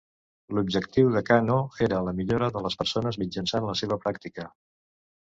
L'objectiu de Kano era la millora de les persones mitjançant la seva pràctica.